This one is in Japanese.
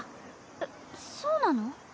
えっそうなの？